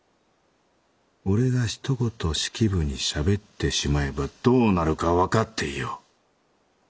俺がひと言式部にしゃべってしまえばどうなるか分かっていよう。